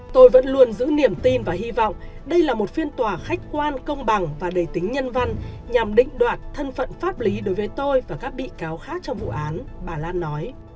tôi vẫn luôn giữ niềm tin và hy vọng đây là một phiên tòa khách quan công bằng và đầy tính nhân văn nhằm định đoạt thân phận pháp lý đối với tôi và các bị cáo khác trong vụ án bà lan nói